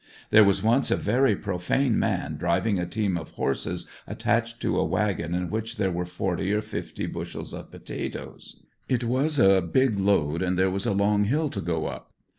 There was once a very profane man driving a team of horses attached to a wagon in which there were forty or fifty bush els of potatoes It was a big load and there was a long hill to go up.